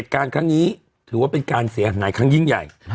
การครั้งนี้ถือว่าเป็นการเสียหายครั้งยิ่งใหญ่